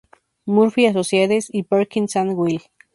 Murphy Associates" y "Perkins and Will".